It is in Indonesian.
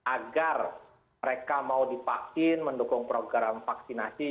agar mereka mau divaksin mendukung program vaksinasi